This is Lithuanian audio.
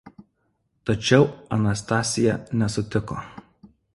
Tačiau Anastacia nesutiko.